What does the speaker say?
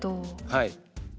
はい。